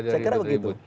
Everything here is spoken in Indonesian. saya kira begitu